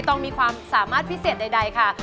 ต้องมีความสามารถพิเศษใดค่ะ